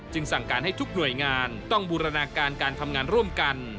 สั่งการให้ทุกหน่วยงานต้องบูรณาการการทำงานร่วมกัน